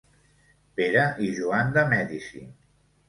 Pere i Joan de Mèdici.